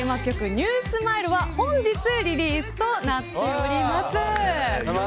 ＮＥＷＳｍｉｌｅは本日リリースとなっております。